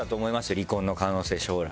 離婚の可能性将来。